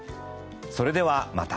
それではまた。